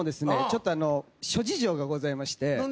ちょっとあの諸事情がございまして。